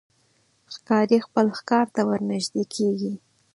ښکاري خپل ښکار ته ورنژدې کېږي.